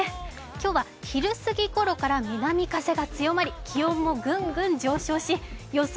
今日は昼過ぎごろから南風が強まり、気温もぐんぐん上昇し予想